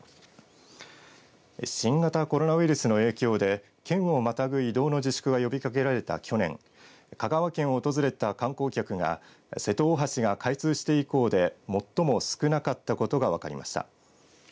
新型コロナウイルスの影響で県をまたぐ移動の自粛が呼びかけられた去年香川県を訪れた観光客が瀬戸大橋が開通して以降で最も少なかったことが分かりました。